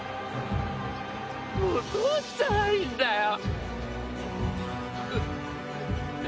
もうどうしたらいいんだよ。